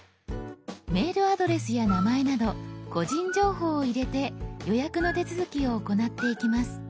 メールアドレスや名前など個人情報を入れて予約の手続きを行っていきます。